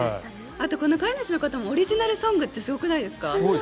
あと、飼い主の方もオリジナルソングってすごくないですか？